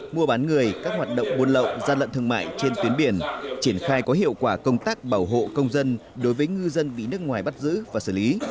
mua bán người các hoạt động buôn lậu gian lận thương mại trên tuyến biển triển khai có hiệu quả công tác bảo hộ công dân đối với ngư dân bị nước ngoài bắt giữ và xử lý